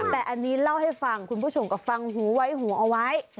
แต่อันนี้เล่าให้ฟังคุณผู้ชมก็ฟังหูไว้หูเอาไว้